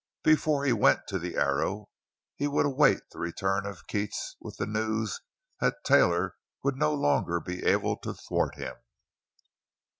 But before he went to the Arrow he would await the return of Keats with the news that Taylor would no longer be able to thwart him.